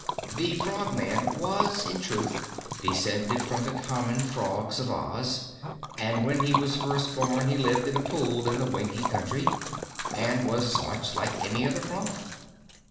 The Frogman was in truth descended from the common frogs of Oz, and when he was first born he lived in a pool in the Winkie Country and was much like any other frog.